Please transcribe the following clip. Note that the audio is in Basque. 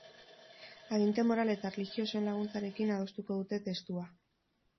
Aginte moral eta erlijiosoen laguntzarekin adostuko dute testua.